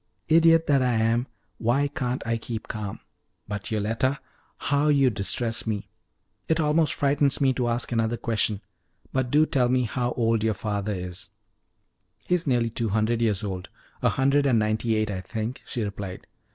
Idiot that I am, why can't I keep calm! But, Yoletta, how you distress me! It almost frightens me to ask another question, but do tell me how old your father is?" "He is nearly two hundred years old a hundred and ninety eight, I think," she replied.